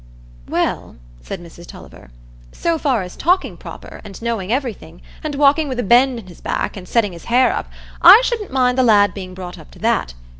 "Well," said Mrs Tulliver, "so far as talking proper, and knowing everything, and walking with a bend in his back, and setting his hair up, I shouldn't mind the lad being brought up to that.